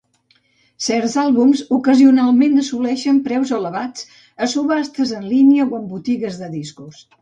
Certs àlbums ocasionalment assoleixen preus elevats a subhastes en línia o en botigues de discos.